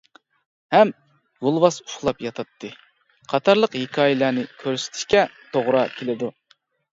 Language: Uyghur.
ھەم «يولۋاس ئۇخلاپ ياتاتتى» ، قاتارلىق ھېكايىلەرنى كۆرسىتىشكە تورا كېلىدۇ.